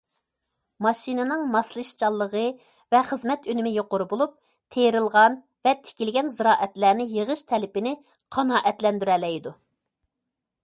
ماشىنىنىڭ ماسلىشىشچانلىقى ۋە خىزمەت ئۈنۈمى يۇقىرى بولۇپ، تېرىلغان ۋە تىكىلگەن زىرائەتلەرنى يىغىش تەلىپىنى قانائەتلەندۈرەلەيدۇ.